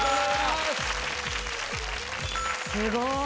すごい。